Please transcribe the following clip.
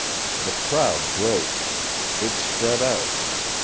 The crowd broke. It spread out.